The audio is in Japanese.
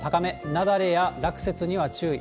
雪崩や落雪には注意。